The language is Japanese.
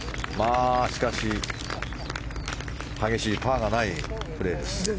しかし、激しいパーがないプレーです。